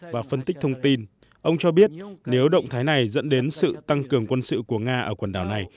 và phân tích thông tin ông cho biết nếu động thái này dẫn đến sự tăng cường quân sự của nga ở quần đảo này